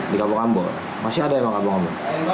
di kabung ambo masih ada yang di kabung ambo